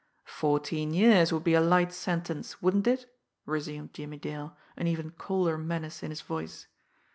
"Fourteen years would be a light sentence, wouldn't it?" resumed Jimmie Dale, an even colder menace in his voice.